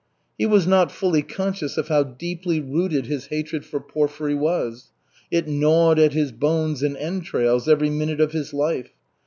He was not fully conscious of how, deeply rooted his hatred for Porfiry was. It gnawed at his bones and entrails every minute of his life.